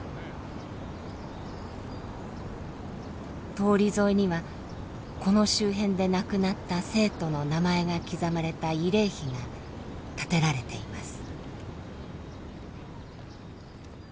通り沿いにはこの周辺で亡くなった生徒の名前が刻まれた慰霊碑が建てられています。